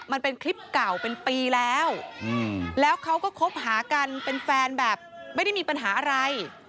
มันเป็นคลิปเก่าเป็นปีแล้วแล้วเขาก็คบหากันเป็นแฟนแบบไม่ได้มีปัญหาอะไร